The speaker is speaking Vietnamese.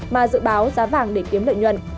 mà dự báo giá vàng để kiếm lợi nhuận